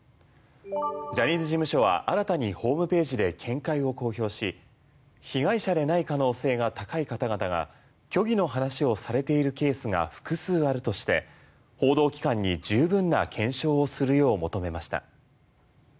ジャニーズ事務所は新たにホームページで見解を公表し被害者でない可能性が高い方々が虚偽の話をされているケースが複数あるとして報道機関に十分な検証をするよう求めました。